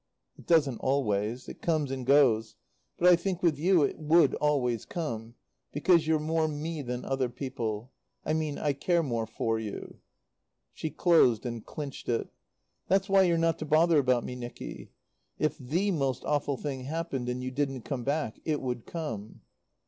"It doesn't always. It comes and goes. But I think with you it would always come; because you're more me than other people; I mean I care more for you." She closed and clinched it. "That's why you're not to bother about me, Nicky. If the most awful thing happened, and you didn't come back, It would come."